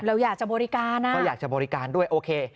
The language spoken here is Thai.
เราอยากจะบริการอ่ะก็อยากจะบริการด้วยโอเค